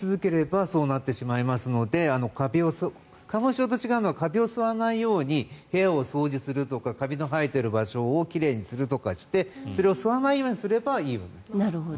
吸い続ければそうなってしまいますので花粉症と違うのはカビを吸わないように部屋を掃除するとかカビが生えているところを奇麗にするとかそれを吸わないようにすればいい。